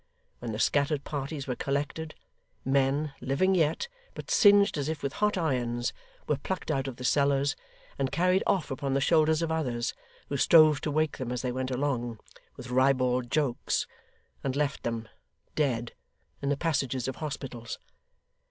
When the scattered parties were collected, men living yet, but singed as with hot irons were plucked out of the cellars, and carried off upon the shoulders of others, who strove to wake them as they went along, with ribald jokes, and left them, dead, in the passages of hospitals.